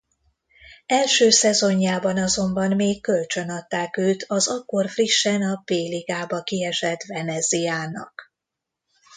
Első szezonjában azonban még kölcsönadták őt az akkor frissen a B ligába kiesett Venezia-nak.